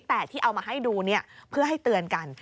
แต่ที่เอามาให้ดูเพื่อให้เตือนกัน